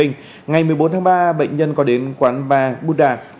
ngày một mươi bốn tháng ba bệnh nhân có đến quán ba búi đà